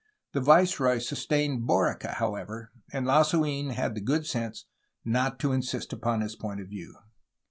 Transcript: The viceroy sustained Borica, however, and Lasu6n had the good sense not to insist upon his point of view.